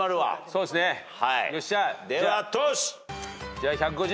じゃあ１５０